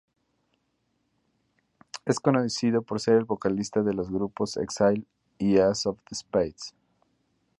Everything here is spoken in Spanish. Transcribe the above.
Es conocido por ser el vocalista de los grupos Exile y Ace Of Spades.